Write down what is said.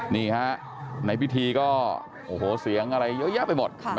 นี่ฮะในพิธีก็โอ้โหเสียงอะไรเยอะแยะไปหมด